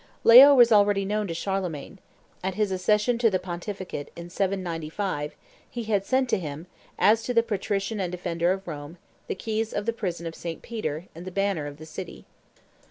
Leo was already known to Charlemagne; at his accession to the pontificate, in 795, he had sent to him, as to the patrician and defender of Rome, the keys of the prison of St. Peter and the banner of the city.